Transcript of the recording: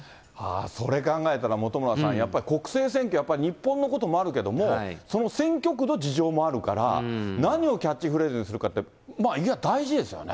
それ考えたら本村さん、やっぱり、国政選挙やっぱり、日本のこともあるけれども、その選挙区の事情もあるから、何をキャッチフレーズにするかって、言えば大事ですよね。